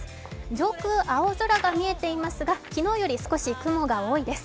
上空、青空が見えていますが、昨日より少し雲が多いです。